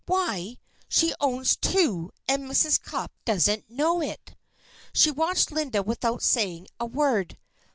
"Why! she owns two and Mrs. Cupp doesn't know it." She watched Linda without saying a word.